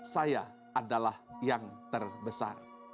saya adalah yang terbesar